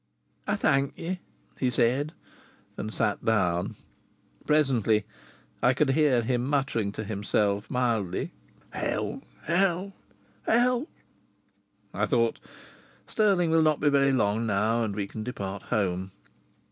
"I thank ye!" he said, and sat down. Presently I could hear him muttering to himself, mildly: "Hell! Hell! Hell!" I thought: "Stirling will not be very long now, and we can depart home."